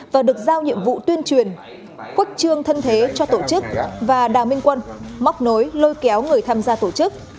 và được giao nhiệm vụ tuyên truyền khuất trương thân thế cho tổ chức và đào minh quân móc nối lôi kéo người tham gia tổ chức